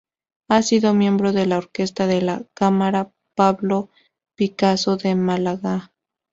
Ha sido miembro de la Orquesta de Cámara Pablo Picasso de Málaga.